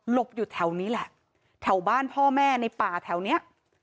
อยู่แถวนี้แหละแถวบ้านพ่อแม่ในป่าแถวเนี้ย